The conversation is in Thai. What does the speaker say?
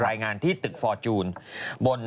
สนับสนุนโดยดีที่สุดคือการให้ไม่สิ้นสุด